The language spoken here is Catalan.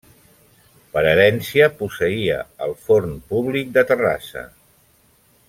Per herència posseïa el forn públic de Terrassa.